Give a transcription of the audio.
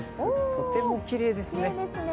とてもきれいですね。